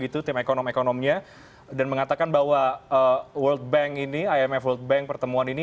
tim ekonominya dan mengatakan bahwa world bank ini imf world bank pertemuan ini